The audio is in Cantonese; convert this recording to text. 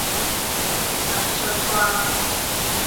四十歲啩